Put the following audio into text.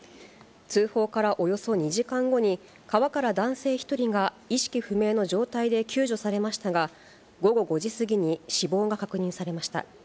通報からおよそ２時間後に、川から男性１人が意識不明の状態で救助されましたが、午後５時過ぎに死亡が確認されました。